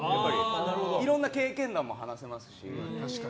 いろんな経験談も話せますし。